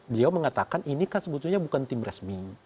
beliau mengatakan ini kan sebetulnya bukan tim resmi